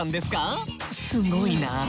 すごいな。